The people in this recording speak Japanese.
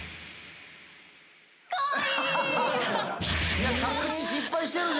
かわいい！